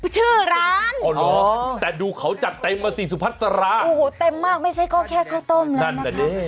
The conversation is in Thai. ชื่อร้านอ๋อแต่ดูเขาจัดเต็มมาสี่สุพัฒน์สาระโอ้โหเต็มมากไม่ใช่ก็แค่ข้าวต้มเลยนะคะ